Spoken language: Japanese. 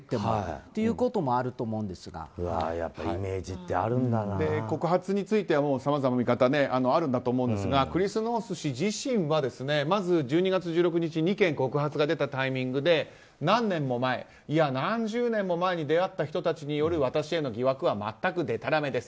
やっぱり告発についてはさまざまな見方があるんだと思いますがクリス・ノース氏自身はまず１２月１６日２件告発が出たタイミングで何年も前いや、何十年も前に出会った人たちによる私への疑惑は全くでたらめです。